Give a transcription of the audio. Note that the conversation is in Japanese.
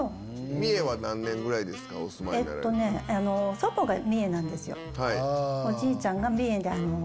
祖母が三重なんですよ。